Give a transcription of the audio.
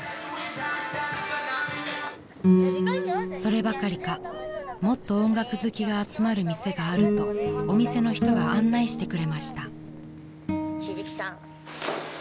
［そればかりかもっと音楽好きが集まる店があるとお店の人が案内してくれました］